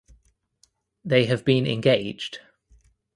They have been engaged.